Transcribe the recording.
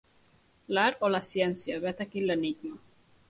L'art o la ciència, vet aquí l'enigma.